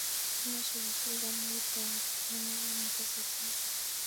kimochei kosulda mokutikab mung'aret neteseitai.